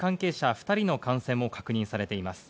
２人の感染も確認されています。